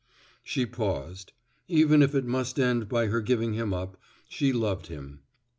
_ She paused. Even if it must end by her giving him up, she loved him.